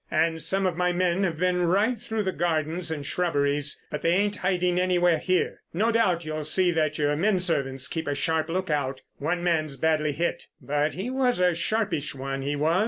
"And some of my men have been right through the gardens and shrubberies, but they ain't hiding anywhere here. No doubt you'll see that your men servants keep a sharp look out. One man's badly hit—but he was a sharpish one, he was.